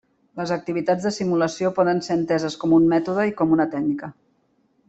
Les activitats de simulació poden ser enteses com un mètode i com una tècnica.